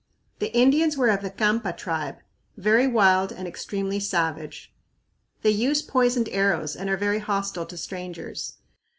The Indians were "of the Campa tribe, very wild and extremely savage. They use poisoned arrows and are very hostile to strangers."